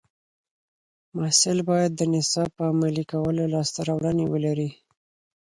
محصل باید د نصاب په عملي کولو لاسته راوړنې ولري.